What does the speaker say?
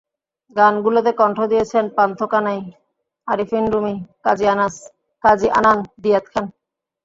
গানগুলোতে কণ্ঠ দিয়েছেন পান্থ কানাই, আরিফিন রুমি, কাজী আনান, দিয়াত খান।